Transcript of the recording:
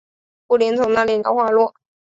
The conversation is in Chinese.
不停从她脸颊滑落